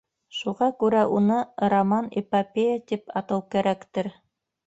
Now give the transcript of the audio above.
Шуға күрә уны роман-эпопея тип атау кәрәктер.